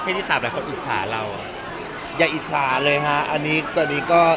ที่สามหลายคนอิจฉาเราอย่าอิจฉาเลยฮะอันนี้ตอนนี้ก็